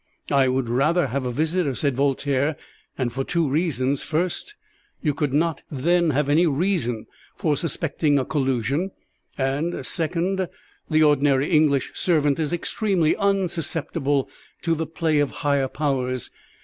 "I would rather have a visitor," said Voltaire, "and for two reasons: first, you could not then have any reason for suspecting a collusion; and, second, the ordinary English servant is extremely unsusceptible to the play of higher powers.